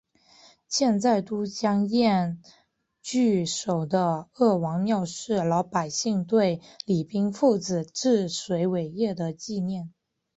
建在都江堰渠首的二王庙是老百姓对李冰父子治水伟业的纪念。